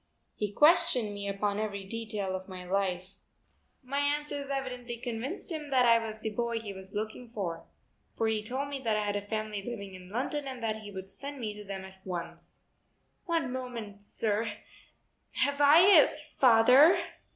He questioned me upon every detail of my life. My answers evidently convinced him that I was the boy he was looking for, for he told me that I had a family living in London and that he would send me to them at once. "One moment, sir. Have I a father?"